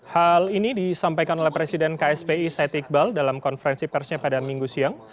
hal ini disampaikan oleh presiden kspi said iqbal dalam konferensi persnya pada minggu siang